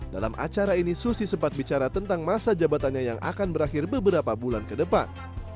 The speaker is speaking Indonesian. dalam acara ini susi sempat bicara tentang masa jabatannya yang akan berakhir beberapa bulan ke depan